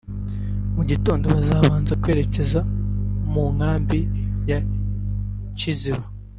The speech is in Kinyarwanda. mu gitondo bazabanza kwerekeza mu Nkambi ya Kiziba